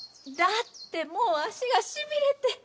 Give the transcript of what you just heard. だってもう足がしびれて。